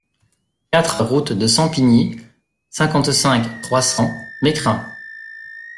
quatre route de Sampigny, cinquante-cinq, trois cents, Mécrin